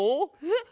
えっ？